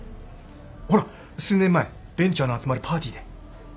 ほら数年前ベンチャーの集まるパーティーで。